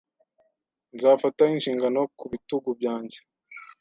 Nzafata inshingano ku bitugu byanjye